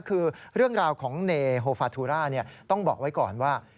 คือเรื่องราวของเนโฮฟาทูราต้องบอกไว้ก่อนว่า